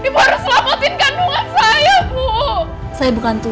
kamu tunggu kamu tunggu